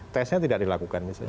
tesnya tidak dilakukan misalnya